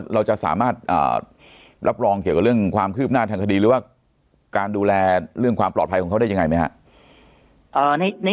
เราจะสามารถรับรองเกี่ยวกับเรื่องความคืบหน้าทางคดีหรือว่าการดูแลเรื่องความปลอดภัยของเขาได้ยังไงไหมครับ